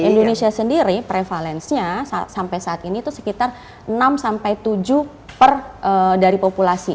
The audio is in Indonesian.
indonesia sendiri prevalensinya sampai saat ini itu sekitar enam sampai tujuh per dari populasi